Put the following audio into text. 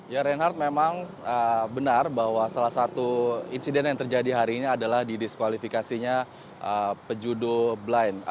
ya reinhardt memang benar bahwa salah satu insiden yang terjadi hari ini adalah di diskualifikasinya pejudo blind